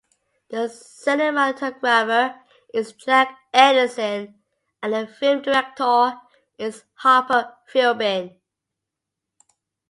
The cinematographer is Jack Anderson and the film director is Harper Philbin.